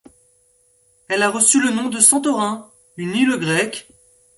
Elle a reçu le nom de Santorin, une île grecque.